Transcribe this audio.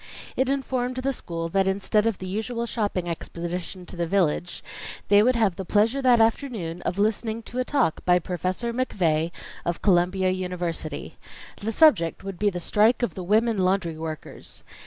It informed the school that instead of the usual shopping expedition to the village, they would have the pleasure that afternoon of listening to a talk by Professor McVey of Columbia University. The subject would be the strike of the women laundry workers.